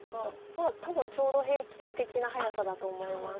まあ多分ちょうど平均的な速さだと思います。